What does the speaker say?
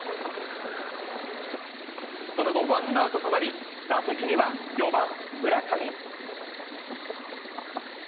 その後、ワンアウトとなり、打席には４番村上。